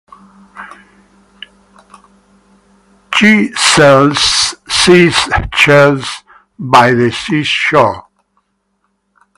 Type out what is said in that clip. She sells sea shells by the sea shore.